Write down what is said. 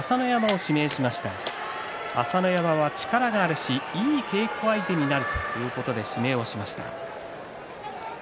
朝乃山は力があるしいい稽古相手になるということで指名しました。